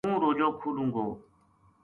ہوں روجو کھولوں گو